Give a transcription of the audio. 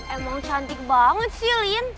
emang cantik banget sih lien